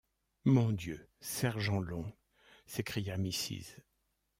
Mon Dieu, sergent Long! s’écria Mrs.